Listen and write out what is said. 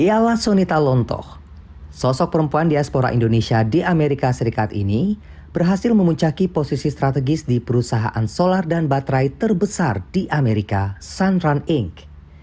ialah sonita lontoh sosok perempuan diaspora indonesia di amerika serikat ini berhasil memuncaki posisi strategis di perusahaan solar dan baterai terbesar di amerika sun run inc